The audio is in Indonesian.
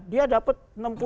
dia dapat enam puluh